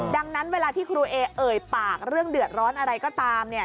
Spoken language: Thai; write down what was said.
ดังนั้นเวลาที่ครูเอเอ่ยปากเรื่องเดือดร้อนอะไรก็ตามเนี่ย